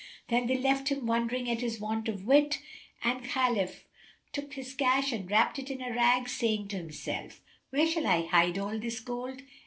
Then they left him wondering at his want of wit, and Khalif took his cash and wrapped it in a rag, saying to himself, "Where shall I hide all this gold?